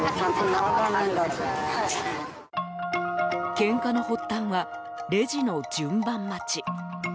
けんかの発端はレジの順番待ち。